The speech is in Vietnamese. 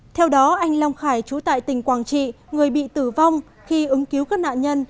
theo đó anh long khải trú tại tỉnh quảng trị người bị tử vong khi ứng cứu các nạn nhân